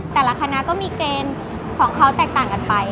แต่ละคณะก็มีเกณฑ์ของเขาแตกต่างกันไป